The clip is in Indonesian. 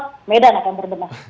kota medan akan berdemah